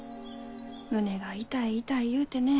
胸が痛い痛い言うてね。